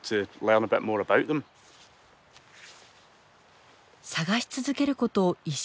探し続けること１週間。